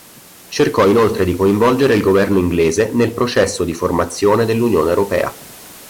Cercò inoltre di coinvolgere il governo inglese nel processo di formazione dell'Unione europea.